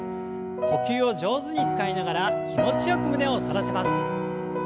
呼吸を上手に使いながら気持ちよく胸を反らせます。